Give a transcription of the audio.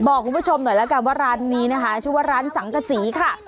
บอกคุณผู้ชมหน่อยแล้วกันว่าร้านนี้นะคะชื่อว่าร้านสังกษีค่ะ